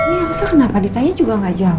iya masa kenapa ditanya juga gak jawab